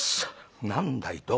何だい。